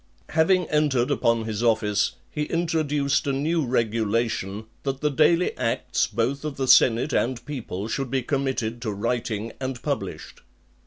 XX. Having entered upon his office , he introduced a new regulation, that the daily acts both of the senate and people should be committed to writing, and published .